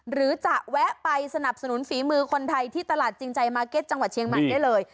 หรือจะแวะไปสนับสนุนฝีมือคนไทยที่ตลาดจริงใจมาร์เก็ตจังหวัดเชียงใหม่ได้เลย